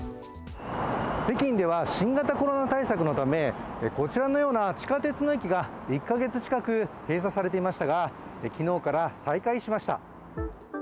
北京では、新型コロナ対策のためこちらのような地下鉄の駅が１カ月近く閉鎖されていましたが昨日から再開しました。